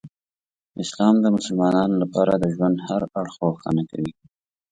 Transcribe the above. اسلام د مسلمانانو لپاره د ژوند هر اړخ روښانه کوي.